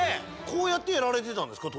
こうやってやられてたんですか？